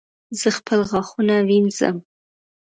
زه خپل غاښونه وینځم